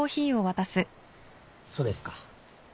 そうですか。